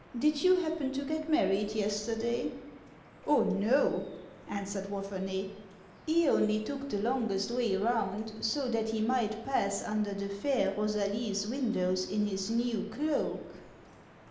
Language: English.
Did you happen to get married yesterday ?"" Oh, no !" answered Wapherney ;" he only took the longest way round, so that he might pass under the fair Rosalie's windows in his new cloak."